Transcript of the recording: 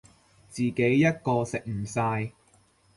自己一個食唔晒